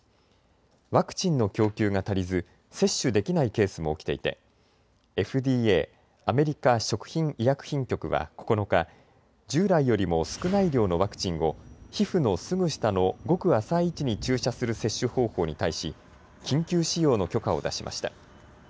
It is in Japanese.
ワクチンの供給が足りず接種できないケースも起きていてＦＤＡ・アメリカ食品医薬品局は９日、従来よりも少ない量のワクチンを皮膚のすぐ下のごく浅い位置に注射する接種方法に対し緊急使用の許可を出しました。